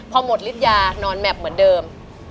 พอหมดฤทธิยานอนแมพเหมือนเดิม